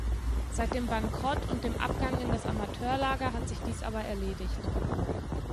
Seit dem Bankrott und dem Abgang in das Amateurlager hat sich dies aber erledigt.